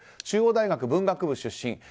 中央大学文学部出身。